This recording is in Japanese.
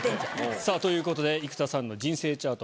さぁということで生田さんの「人生チャート」